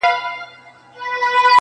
ستا پیغام به د بڼو پر څوکو وړمه-